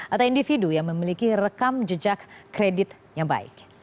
atau individu yang memiliki rekam jejak kredit yang baik